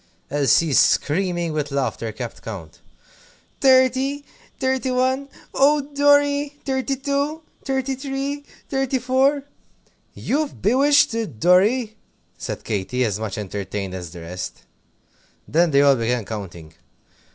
Elsie, screaming with laughter, kept count. "Thirty, Thirty one Oh, Dorry! Thirty two! Thirty three! Thirty four!" "You've bewitched it, Dorry!" said Katy, as much entertained as the rest. Then they all began counting.